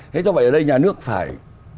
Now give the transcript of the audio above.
thế do vậy ở đây nhà nước phải